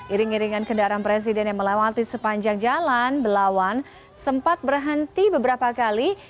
iring iringan kendaraan presiden yang melewati sepanjang jalan belawan sempat berhenti beberapa kali